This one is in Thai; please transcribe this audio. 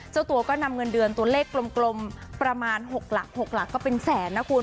เจ้าตัวก็นำเงินเดือนตัวเลขกลมประมาณ๖หลัก๖หลักก็เป็นแสนนะคุณ